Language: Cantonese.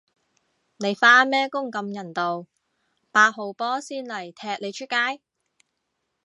你返咩工咁人道，八號波先嚟踢你出街